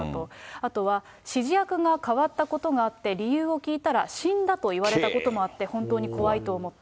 あとは、指示役が代わったことがあって、理由を聞いたら、死んだと言われたこともあって、本当に怖いと思った。